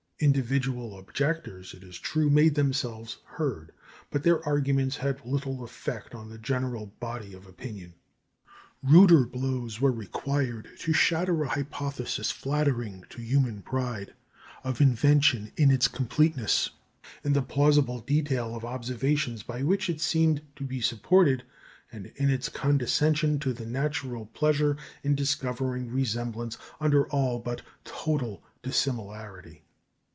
Individual objectors, it is true, made themselves heard, but their arguments had little effect on the general body of opinion. Ruder blows were required to shatter an hypothesis flattering to human pride of invention in its completeness, in the plausible detail of observations by which it seemed to be supported, and in its condescension to the natural pleasure in discovering resemblance under all but total dissimilarity.